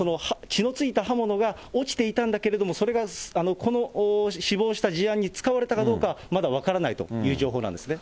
血のついた刃物が落ちていたんだけれども、それがこの死亡した事案に使われたどうか、まだ分からないという情報なんですね。